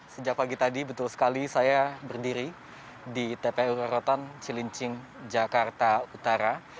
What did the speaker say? sejak pagi tadi betul sekali saya berdiri di tpu rorotan cilincing jakarta utara